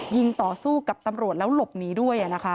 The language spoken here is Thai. ยิงต่อสู้กับตำรวจแล้วหลบหนีด้วย